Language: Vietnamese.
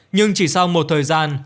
nhưng chỉ sau một thời gian